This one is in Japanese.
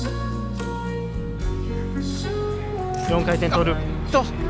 ４回転トーループ。